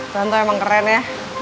tentu emang keren ya